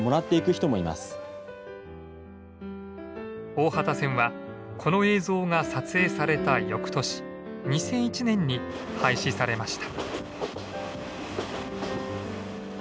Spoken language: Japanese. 大畑線はこの映像が撮影されたよくとし２００１年に廃止されました。